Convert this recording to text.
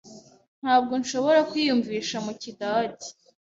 Ntabwo nshobora kwiyumvisha mu kidage.